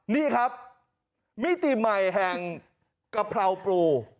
นี่ครับมิติใหม่แห่งกะเพราปรู